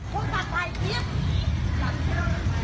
คุณสัตว์ไทยคิด